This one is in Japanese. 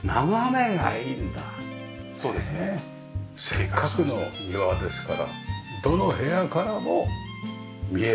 せっかくの庭ですからどの部屋からも見えるというか。